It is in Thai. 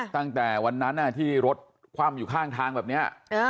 ตั้งแต่วันนั้นที่รถคว่ำอยู่ข้างทางแบบนี้